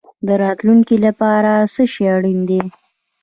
د راتلونکي لپاره څه شی اړین دی؟